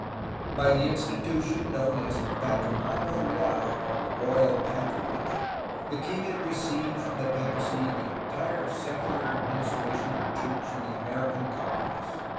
By the institution known as the Patronato Real (Royal Patronage) the king had received from the papacy the entire secular administration of the church in the American colonies.